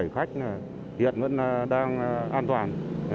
một trăm năm mươi bảy khách hiện vẫn đang an toàn